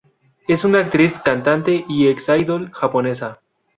Es una actriz, cantante y ex idol japonesa.